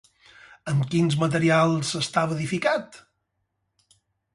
Amb quins materials estava edificat?